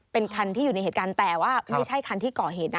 เป็นคันที่อยู่ในเหตุการณ์แต่ว่าไม่ใช่คันที่ก่อเหตุนะ